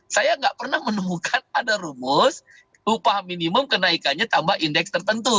saya nggak pernah menemukan ada rumus upah minimum kenaikannya tambah indeks tertentu